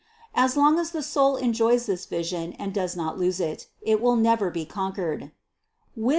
As long as the soul enjoys this vision and does not lose it, it will never be conquered (Wis.